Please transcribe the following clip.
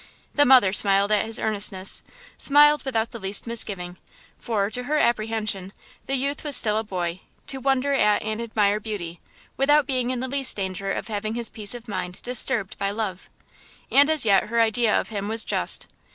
The mother smiled at his earnestness–smiled without the least misgiving; for, to her apprehension, the youth was still a boy, to wonder at and admire beauty, without being in the least danger of having his peace of mind disturbed by love. And as yet her idea of him was just.